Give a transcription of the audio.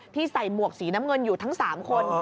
ใส่หมวกสีน้ำเงินอยู่ทั้ง๓คน